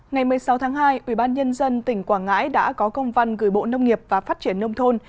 ngày một mươi sáu tháng hai ubnd tỉnh quảng ngãi đã có công văn gửi bộ nông nghiệp và phát triển nông thôn